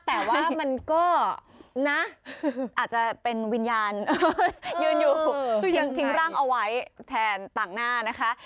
แต่ว่ามันก็นะอาจจะเป็นวิญญาณยืนอยู่ยังทิ้งร่างเอาไว้แทนต่างหน้านะคะ